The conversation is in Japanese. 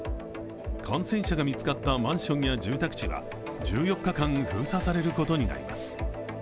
感染者が見つかったマンションや住宅地は１４日間封鎖されることになります。